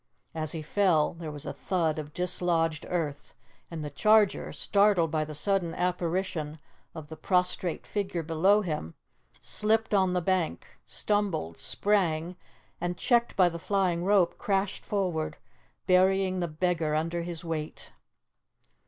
As he fell there was a thud of dislodged earth, and the charger, startled by the sudden apparition of the prostrate figure below him, slipped on the bank, stumbled, sprang, and checked by the flying rope, crashed forward, burying the beggar under his weight.